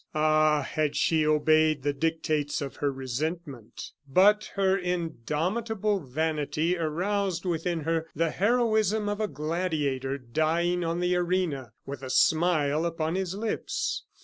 Ah! had she obeyed the dictates of her resentment! But her indomitable vanity aroused within her the heroism of a gladiator dying on the arena, with a smile upon his lips.